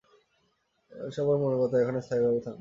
এসব ওর মনের কথা, এখানে স্থায়ীভাবে থাকো।